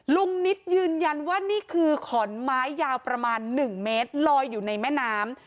ลุงนิดยืนยันว่านี่คือขอนไม้ยาวประมาณ๑เมตรลอยอยู่ในแม่น้ำ